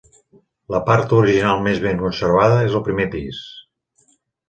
La part original més ben conservada és el primer pis.